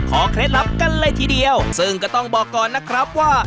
เคล็ดลับกันเลยทีเดียวซึ่งก็ต้องบอกก่อนนะครับว่า